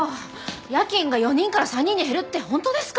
夜勤が４人から３人に減るって本当ですか？